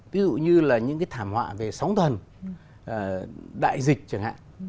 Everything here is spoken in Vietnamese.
ví dụ như là những cái thảm họa về sóng thần đại dịch chẳng hạn